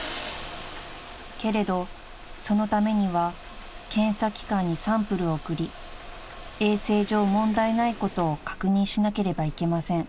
［けれどそのためには検査機関にサンプルを送り衛生上問題ないことを確認しなければいけません］